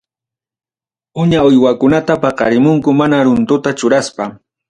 Uña uywakunata paqarimunku mana runtuta churaspa.